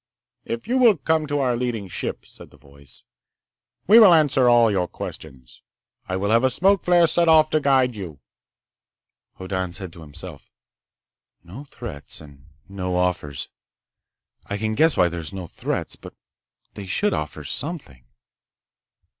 "If you will come to our leading ship," said the voice, "we will answer all your questions. I will have a smoke flare set off to guide you." Hoddan said to himself: "No threats and no offers. I can guess why there are no threats. But they should offer something!"